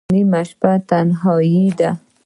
نیمه شپه ده تنهایی ده